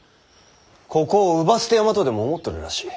ここを姥捨て山とでも思っとるらしい。